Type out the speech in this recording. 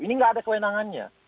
ini nggak ada kewenangannya